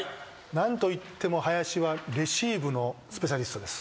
何といっても林はレシーブのスペシャリストです。